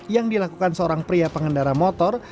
yang dilakukan seorang pria pengendara motor